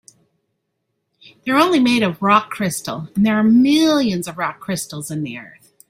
They're only made of rock crystal, and there are millions of rock crystals in the earth.